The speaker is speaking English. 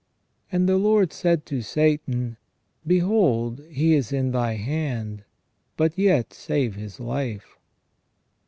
And the Lord said to Satan : Behold he is in thy hand, but yet save his life."